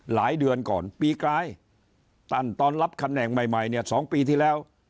เดือนก่อนปีกลายตันตอนรับตำแหน่งใหม่เนี่ย๒ปีที่แล้ว